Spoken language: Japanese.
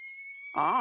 ああ。